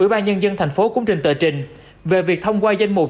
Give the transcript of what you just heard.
ủy ban nhân dân thành phố cũng trình tờ trình về việc thông qua danh mục